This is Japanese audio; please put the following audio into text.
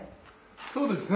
そうですね。